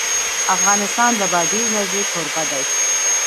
افغانستان د بادي انرژي کوربه دی.